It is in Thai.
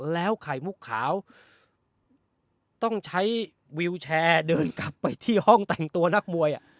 แล้วไข่มุกขาวต้องใช้วิวแชร์เดินกลับไปที่ห้องแต่งตัวนักมวย